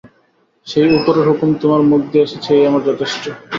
সেই উপরের হুকুম তোমার মুখ দিয়ে এসেছে এই আমার যথেষ্ট।